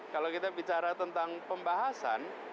kalau kita bicara tentang pembahasan